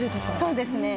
そうですね。